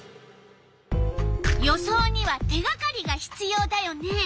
予想には手がかりがひつようだよね。